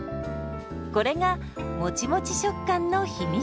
これがもちもち食感の秘密。